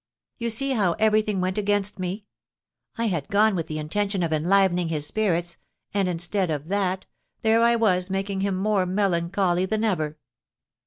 You see how everything went against me. I had gone with the intention of enlivening his spirits, and, instead of that, there I was making him more melancholy than ever."